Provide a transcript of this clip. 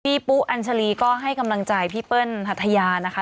ปุ๊อัญชาลีก็ให้กำลังใจพี่เปิ้ลหัทยานะคะ